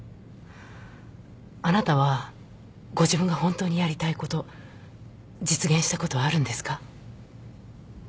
あなたはご自分が本当にやりたいこと実現したことはあるんですか？